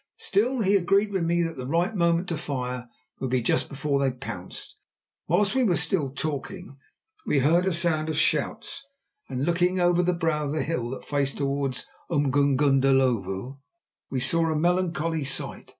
Still, he agreed with me that the right moment to fire would be just before they pounced. Whilst we were still talking we heard a sound of shouts, and, looking over the brow of the hill that faced towards Umgungundhlovu, we saw a melancholy sight.